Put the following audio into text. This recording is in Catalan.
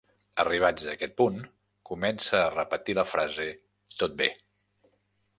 Arribats a aquest punt, comença a repetir la frase "tot bé".